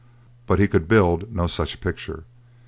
But he could build no such picture.